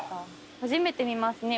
初めて見ますね。